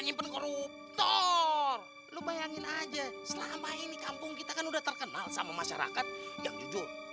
dua nawa vai bayangin aja selama ini kampung kita kan udah terkenal sama margin yang jujur